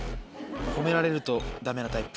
褒められるとダメなタイプ。